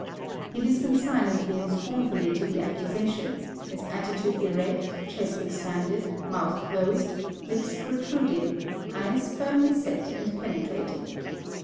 He listened silently and scornfully to the accusation; his attitude erect, chest expanded, mouth closed, lips protruding, eyes firmly set and penetrating.